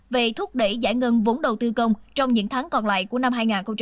về thúc đẩy giải ngân vốn đầu tư công trong những tháng còn lại của năm hai nghìn hai mươi